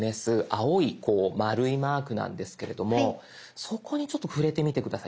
青いこう丸いマークなんですけれどもそこにちょっと触れてみて下さい。